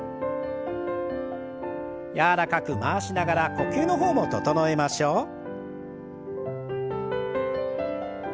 柔らかく回しながら呼吸の方も整えましょう。